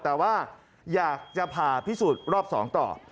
แต่ว่าอยากจะผ่าพิสูจน์รอบ๒ต่อ